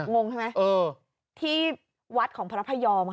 งงใช่ไหมที่วัดของพระพยอมค่ะ